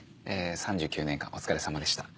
３９年間お疲れさまでした。